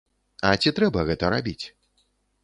А ці трэба гэта рабіць?